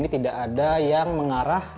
tidak ada yang mengarah